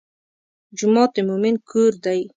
جومات د مؤمن کور دی.